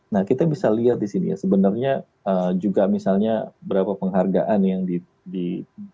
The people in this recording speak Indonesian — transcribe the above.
nah kita bisa lihat di sini ya sebenarnya juga misalnya berapa penghargaan yang diterima oleh anak anak